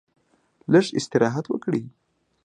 لږ استراحت وکړ.